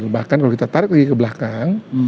bahkan kalau kita tarik lagi ke belakang